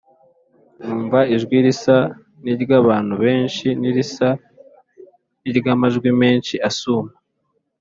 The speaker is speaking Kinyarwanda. Numva ijwi risa n’iry’abantu benshi n’irisa n’iry’amazi menshi asuma,